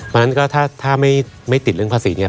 เพราะฉะนั้นก็ถ้าไม่ติดเรื่องภาษีเนี่ย